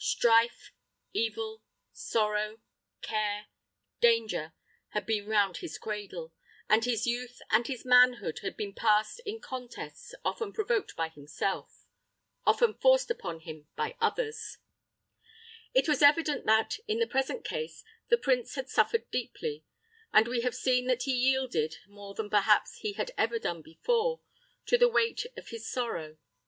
Strife, evil, sorrow, care, danger, had been round his cradle, and his youth and his manhood had been passed in contests often provoked by himself, often forced upon him by others. It was evident that, in the present case, the prince had suffered deeply, and we have seen that he yielded, more than perhaps he had ever done before, to the weight of his sorrow.